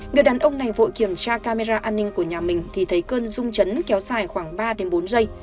người đàn ông này vội kiểm tra camera an ninh của nhà mình thì thấy cơn rung chấn kéo dài khoảng ba bốn giây